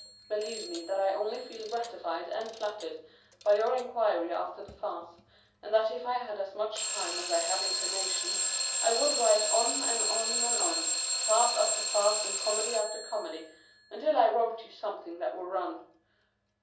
Believe me that I only feel gratified and flattered by your inquiry after the farce, and that if I had as much time as I have inclination, I would write on and on and on, farce after farce and comedy after comedy, until I wrote you something that would run.